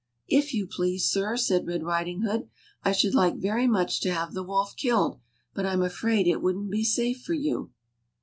" If you please, sir," said Red Riding hood, " I should like very much to have the wolf killed ; but I'm afraid it wouldn't be safe for you."